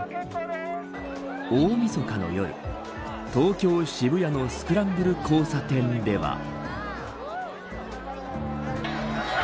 大みそかの夜東京、渋谷のスクランブル交差点では。